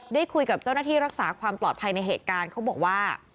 ได้คุยกับเจ้าหน้าที่รักษาความปลอดภัยในเหตุการณ์เขาบอกว่า